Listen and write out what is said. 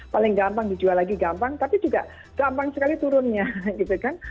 paling gampang dijual lagi gampang tapi juga gampang sekali turunnya gitu kan